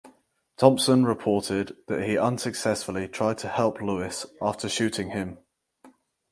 Thompson reported that he unsuccessfully tried to help Lewis after shooting him.